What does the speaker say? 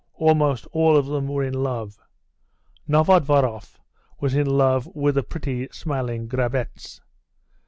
Almost all of them were in love. Novodvoroff was in love with the pretty, smiling Grabetz.